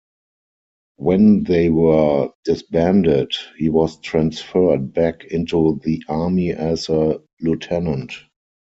When they were disbanded, he was transferred back into the Army as a lieutenant.